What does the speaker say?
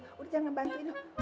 udah jangan bantuin lu